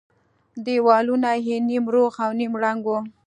دېوالونه يې نيم روغ او نيم ړنگ وو.